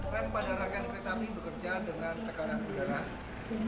rem pada rangkaian kereta api bekerja dengan tekanan udara